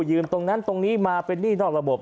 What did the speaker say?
ยืมตรงนั้นตรงนี้มาเป็นหนี้นอกระบบ